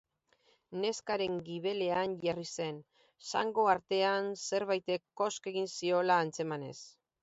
Neskaren gibelean jarri zen, zango artean zerbaitek kosk egin ziola antzemanez.